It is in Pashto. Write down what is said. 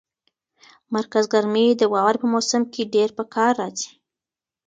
مرکز ګرمي د واورې په موسم کې ډېره په کار راځي.